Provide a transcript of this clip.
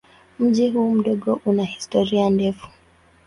Mji huu mdogo una historia ndefu.